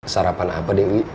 sarapan apa dewi